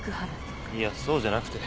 いやそうじゃなくて。